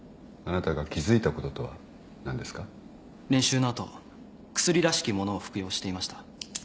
練習の後薬らしきものを服用していました。